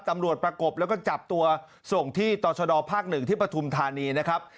ตำรวจประกบแล้วก็จับตัวส่งที่ต่อชะดอภาคหนึ่งที่ประทุมธานีนะครับ